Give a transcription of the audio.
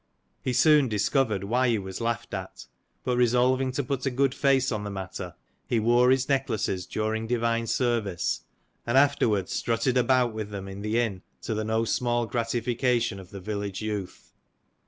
He soon discovered why he was laughed at, but resolving to put a good face on the matter, he wore his necklaces during divine service, and afterwards strutted about with them in the inn to the no small gratification of the village youth.